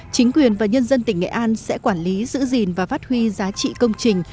chính quyền và nhân dân tỉnh nghệ an sẽ quản lý giữ gìn và phát huy giá trị công trình